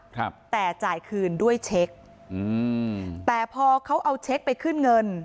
ครับแต่จ่ายคืนด้วยเช็คอืมแต่พอเขาเอาเช็คไปขึ้นเงิน